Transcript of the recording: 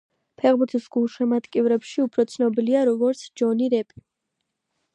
ფეხბურთის გულშემატკივრებში უფრო ცნობილია როგორც ჯონი რეპი.